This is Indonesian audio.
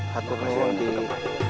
hakimahasih yang terkembang